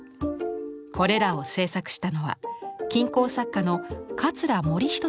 これらを制作したのは金工作家の桂盛仁さんです。